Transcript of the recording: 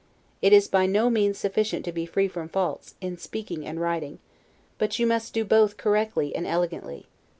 It is by no means sufficient to be free from faults, in speaking and writing; but you must do both correctly and elegantly.